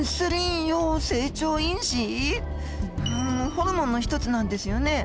うんホルモンの一つなんですよね。